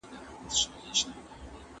موږ د دوی د سياسي پرېکړي ملاتړ کوو.